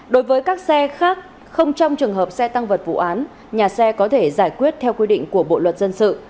đối với các xe khác không trong trường hợp xe tăng vật vụ án nhà xe có thể giải quyết theo quy định của bộ luật dân sự